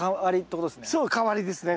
そう代わりですね。